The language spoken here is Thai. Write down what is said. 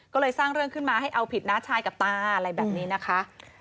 ก็เลยสร้างเรื่องขึ้นมาให้เอาผิดน้าชายกับตาอะไรแบบนี้นะคะ